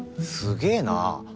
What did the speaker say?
すげえな。